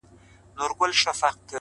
پرمختګ د زړو عادتونو ماتول غواړي,